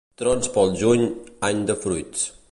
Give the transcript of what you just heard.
Trons pel juny, any de fruits.